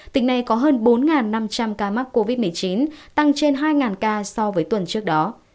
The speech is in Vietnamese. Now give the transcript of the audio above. tỉnh này có hơn bốn năm trăm linh ca mắc covid một mươi chín tăng trên hai ca so với tuần trước đó